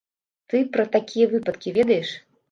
Ты пра такія выпадкі ведаеш?